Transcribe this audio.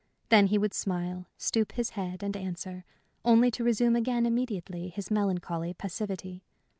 Then he would smile, stoop his head and answer, only to resume again immediately his melancholy passivity.